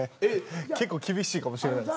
結構厳しいかもしれないです。